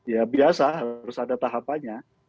ya biasa harus ada tahapannya